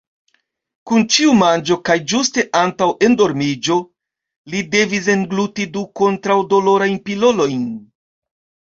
Kun ĉiu manĝo kaj ĝuste antaŭ endormiĝo, li devis engluti du kontraŭ-dolorajn pilolojn.